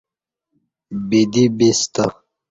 بدی بیستہ